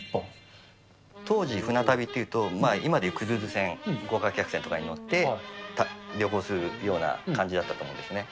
当時、船旅っていうと、今でいうクルーズ船、豪華客船とかに乗って、旅行するような感じだったんですね。